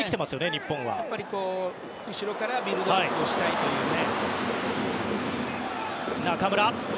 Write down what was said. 日本は後ろからビルドアップしたいからね。